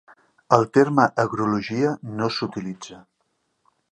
El terme agrologia no s'utilitza.